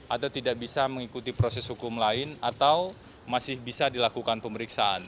atau tidak bisa mengikuti proses hukum lain atau masih bisa dilakukan pemeriksaan